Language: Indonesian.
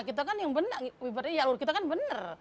kita kan yang benar benar jalur kita kan benar